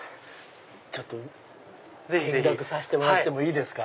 ちょっと見学させてもらってもいいですか？